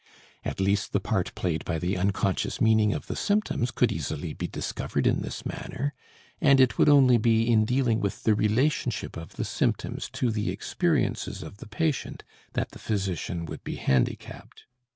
At least the part played by the unconscious meaning of the symptoms could easily be discovered in this manner, and it would only be in dealing with the relationship of the symptoms to the experiences of the patient that the physician would be handicapped.